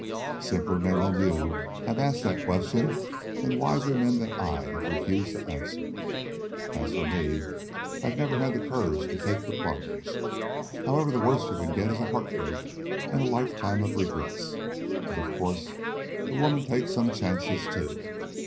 "Simpler men than you have asked that question, and wiser men than I have refused to answer. As for me, I've never had the courage to take the plunge. However, the worst you can get is a heartbreak and a lifetime of regrets. But, of course, the woman takes some chances, too.